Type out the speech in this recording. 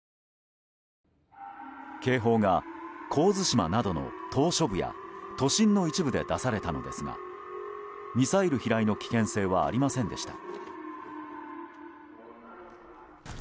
警報が神津島などの島しょ部や都心の一部で出されたのですがミサイル飛来の危険性はありませんでした。